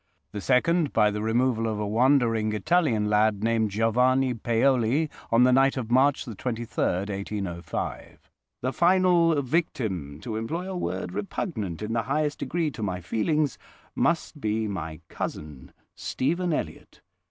The second, by the removal of a wandering Italian lad, named Giovanni Paoli, on the night of March 23, 1805. The final 'victim'—to employ a word repugnant in the highest degree to my feelings—must be my cousin, Stephen Elliott.